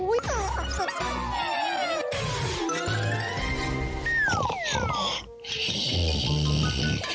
กรี๊ง